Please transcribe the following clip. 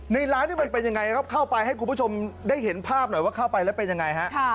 ร้านนี้มันเป็นยังไงครับเข้าไปให้คุณผู้ชมได้เห็นภาพหน่อยว่าเข้าไปแล้วเป็นยังไงฮะ